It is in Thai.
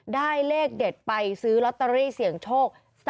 ได้เลขเด็ดไปซื้อลอตเตอรี่เสี่ยงโชค